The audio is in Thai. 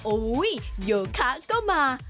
อุ้ยโยคะก็มา